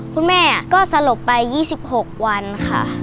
คุณแม่ก็สลบไป๒๖วันค่ะ